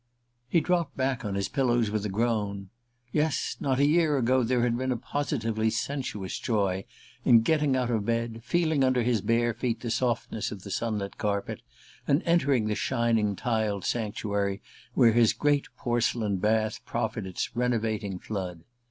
He dropped back on his pillows with a groan. Yes not a year ago there had been a positively sensuous joy in getting out of bed, feeling under his bare feet the softness of the sunlit carpet, and entering the shining tiled sanctuary where his great porcelain bath proffered its renovating flood.